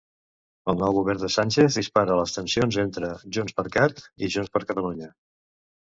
El nou govern de Sánchez dispara les tensions entre JxCat i Junts per Catalunya.